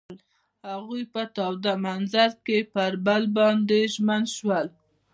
هغوی په تاوده منظر کې پر بل باندې ژمن شول.